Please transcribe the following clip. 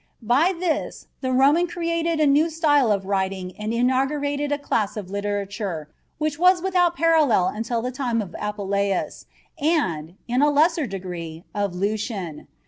By this, the Roman created a new style of writing and inaugurated a class of literature which was without parallel until the time of Apuleius and, in a lesser degree, of Lucian.